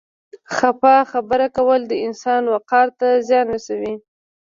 چپه خبره کول د انسان وقار ته زیان رسوي.